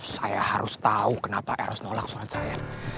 saya harus tau kenapa eros nolak surat saya